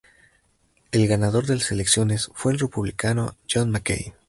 El ganador de las elecciones fue el Republicano John McCain.